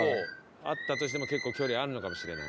あったとしても結構距離あるのかもしれない。